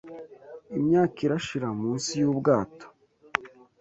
Imyaka irashira munsi yubwato